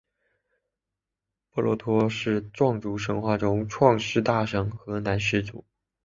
布洛陀是壮族神话中的创世大神和男始祖。